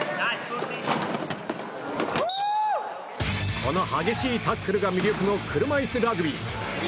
この激しいタックルが魅力の車いすラグビー。